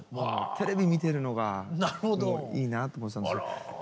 テレビ見てるのがいいなと思ってたんですよ。